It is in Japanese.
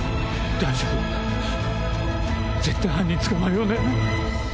絶対犯人捕まえようね。